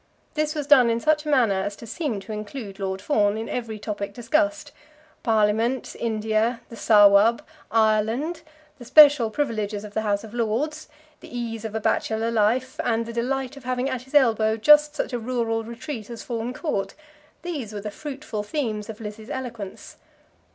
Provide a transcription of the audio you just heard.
This was done in such a manner as to seem to include Lord Fawn in every topic discussed. Parliament, India, the Sawab, Ireland, the special privileges of the House of Lords, the ease of a bachelor life, and the delight of having at his elbow just such a rural retreat as Fawn Court, these were the fruitful themes of Lizzie's eloquence.